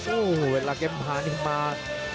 โอ้โหเวลาเก็บพานิมา